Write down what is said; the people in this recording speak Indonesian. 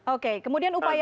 oke kemudian upaya